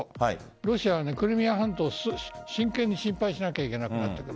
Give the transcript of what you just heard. ロシアはクリミア半島を真剣に心配しなければいけなくなっている。